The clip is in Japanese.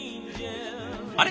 あれ？